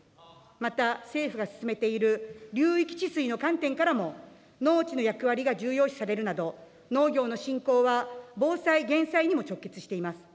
また、政府が進めている流域治水の観点からも、農地の役割が重要視されるなど、農業の振興は防災・減災にも直結しています。